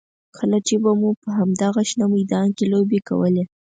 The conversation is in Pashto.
کله چې به مو په همدغه شنه میدان کې لوبې کولې.